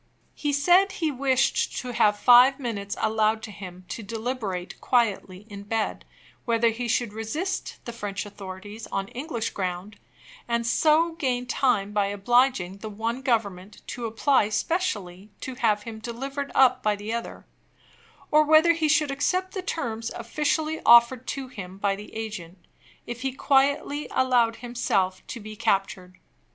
He said he wished to have five minutes allowed him to deliberate quietly in bed, whether he should resist the French authorities on English ground, and so gain time by obliging the one Government to apply specially to have him delivered up by the other or whether he should accept the terms officially offered to him by the agent, if he quietly allowed himself to be captured.